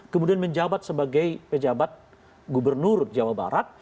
kemudian menjabat sebagai pejabat gubernur jawa barat